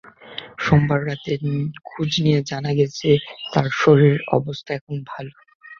সোমবার রাতে খোঁজ নিয়ে জানা গেছে, তাঁর শারীরিক অবস্থা এখন ভালো।